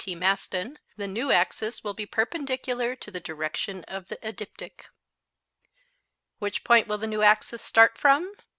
T. Maston, the new axis will be perpendicular to the direction of the ecliptic. Which point will the new axis start from?